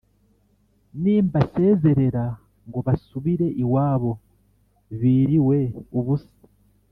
Nimbasezerera ngo basubire iwabo biriwe ubusa